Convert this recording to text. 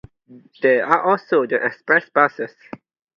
There are also the express buses.